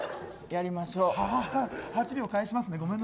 ８秒返しますね。